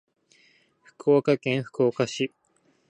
福岡県福岡市